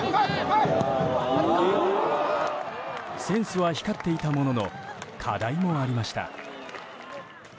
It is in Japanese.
センスは光っていたものの課題もありました。